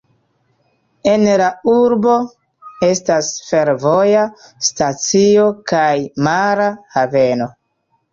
En la urbo estas fervoja stacio kaj mara haveno.